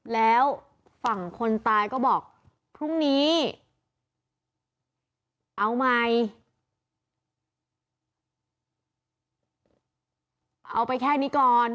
แล้วฝั่งคนตายก็บอกพรุ่งนี้เอาใหม่เอาไปแค่นี้ก่อน